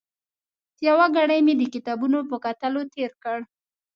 یو ګړی مې د کتابونو په کتلو تېر کړ.